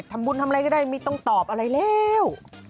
ทำอะไรก็ได้ไม่ต้องตอบอะไรแล้ว